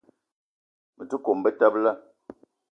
Me te kome betebela.